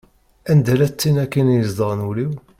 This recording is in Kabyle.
Anda-llatt tin akken i izedɣen ul-iw?